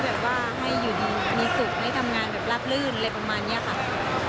เราทำงานอยู่ที่นี่ก็ให้อยู่ดีมีสุขทำงานรับลื่นอะไรประมาณนี้ค่ะ